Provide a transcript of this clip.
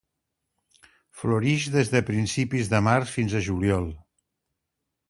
Florix des de principis de març fins a juliol.